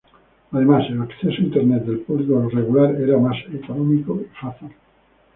Además, el acceso a Internet del público regular era más económico y fácil.